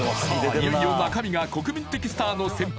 いよいよ中身が国民的スターの先輩